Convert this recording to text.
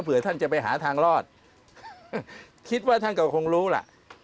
เพื่อท่านจะไปหาทางรอดคิดว่าท่านก็คงรู้ล่ะ